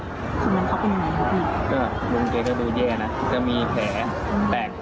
เป็นอย่างไรครับพี่ก็ลุงแกก็ดูแย่น่ะก็มีแผลแปลก